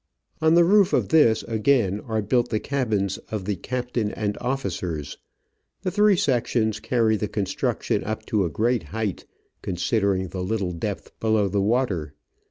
On the roof of this again are built the cabins of the captain and officers. The three sections carry the construction up to a great height, con sidering the little depth below the water.